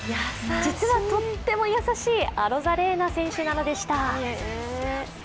実はとっても優しいアロザレーナ選手なのでした。